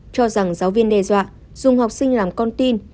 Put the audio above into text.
cho rằng giáo viên đe dọa dùng học sinh làm con tin